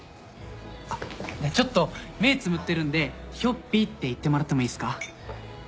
あっちょっと目つぶってるんで「ひょっぴぃ」って言ってもらってもいいっすか？